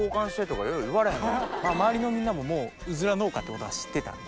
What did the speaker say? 周りのみんなももううずら農家ってことは知ってたんで。